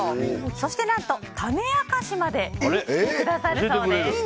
そして何と種明かしまでしてくださるそうです。